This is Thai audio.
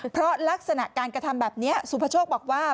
เพราะลักษณะการกระทำแบบนี้สุภาโชคบอกว่า